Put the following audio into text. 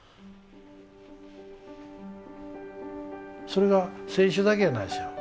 それが選手だけやないですよ。